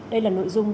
đây là nội dung